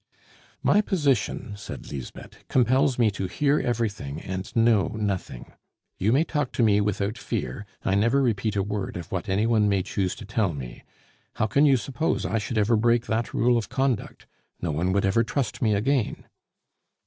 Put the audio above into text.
"My position," said Lisbeth, "compels me to hear everything and know nothing. You may talk to me without fear; I never repeat a word of what any one may choose to tell me. How can you suppose I should ever break that rule of conduct? No one would ever trust me again."